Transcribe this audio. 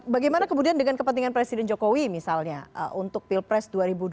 bagaimana kemudian dengan kepentingan presiden jokowi misalnya untuk pilpres dua ribu dua puluh